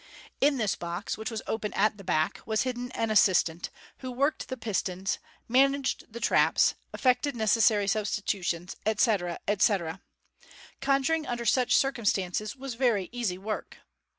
In this box, which was open at the back, was hidden an assistant, who worked the pistons, managed the traps, effected necessary substitutions, etc., etc. Conjuring under such circumstances was very easy work.